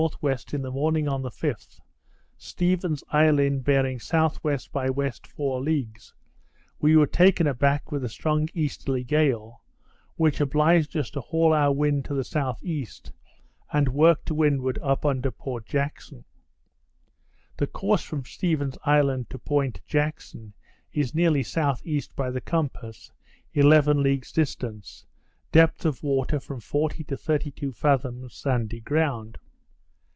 W., in the morning on the 5th, Stephens Island bearing S.W. by W. four leagues, we were taken a back with a strong easterly gale, which obliged us to haul our wind to the S.E. and work to windward up under Port Jackson. The course from Stephens Island to Point Jackson, is nearly S.E. by the compass, eleven leagues distant, depth of water from forty to thirty two fathoms, sandy ground.